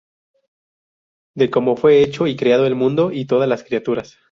De cómo fue hecho y creado el mundo y todas las criaturas.